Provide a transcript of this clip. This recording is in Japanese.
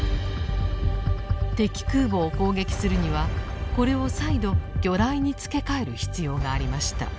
敵空母を攻撃するにはこれを再度魚雷に付け替える必要がありました。